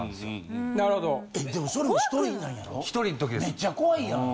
めっちゃ怖いやん。